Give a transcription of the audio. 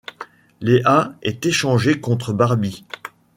Léa est échangée contre Barbie.